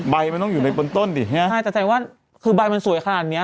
ใบมันต้องอยู่ในบนต้นดิใช่ไหมใช่แต่ใจว่าคือใบมันสวยขนาดเนี้ย